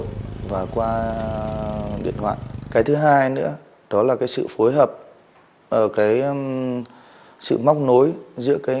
trong quá trình điều tra cục cảnh sát hình sự bộ công an cũng phối hợp với phòng cảnh sát hình sự công an trung quốc để dựng đường dây này